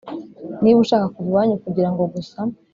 niba ushaka kuva iwanyu kugira ngo gusa